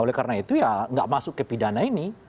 oleh karena itu enggak masuk ke pidana ini